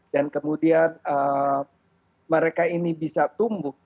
dan kemudian mereka ini bisa tumbuh